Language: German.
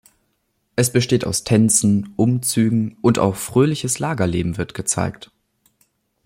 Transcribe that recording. Es besteht aus Tänzen, Umzügen und auch fröhliches Lagerleben wird gezeigt.